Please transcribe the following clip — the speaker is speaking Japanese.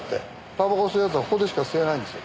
タバコ吸う奴はここでしか吸えないんですよ。